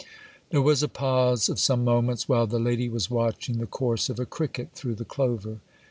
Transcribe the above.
There was a pause of some moments, while the lady was watching the course of a cricket through the clover.